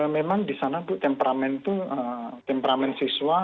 memang di sana temperamen siswa